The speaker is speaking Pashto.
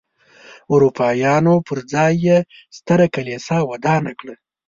اروپایانو پر ځای یې ستره کلیسا ودانه کړه.